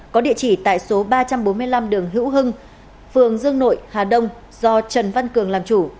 có địa chỉ tại số ba trăm bốn mươi năm đường hữu hưng phường dương nội hà đông do trần văn cường làm chủ